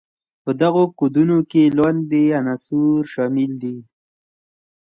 په دغو کودونو کې لاندې عناصر شامل دي.